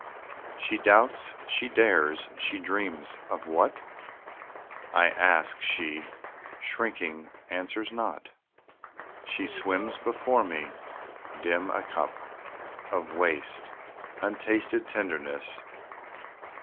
She doubts, she dares, she dreams of what? I ask; she, shrinking, answers not, She swims before me, dim, a cup Of waste, untasted tenderness.